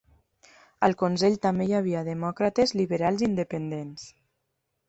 Al consell també hi havia demòcrates liberals i independents.